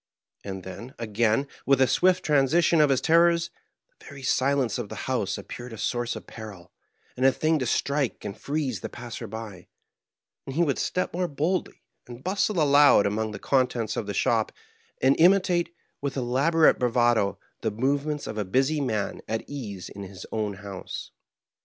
And then, again, with a swift transition of his terrors, the very silence of the house appeared a source of peril, and a thing to strike and freeze the passer by ; and he would step more boldly, and bustle aloud among the contents of the shop, and imitate, with elaborate bravado, the movements of a busy man at ease in his own house.